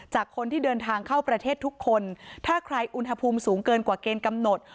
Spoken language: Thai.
คนที่เดินทางเข้าประเทศทุกคนถ้าใครอุณหภูมิสูงเกินกว่าเกณฑ์กำหนด